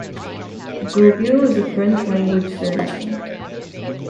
Gobeil is a French language surname.